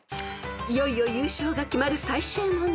［いよいよ優勝が決まる最終問題］